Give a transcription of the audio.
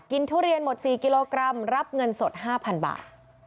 ทุเรียนหมด๔กิโลกรัมรับเงินสด๕๐๐๐บาท